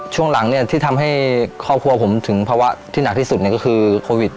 ช่วงหลังที่ทำให้ครอบครัวผมถึงภาวะที่หนักที่สุดก็คือโควิด